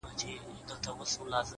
زما د تصور لاس در غځيږي گراني تاته.!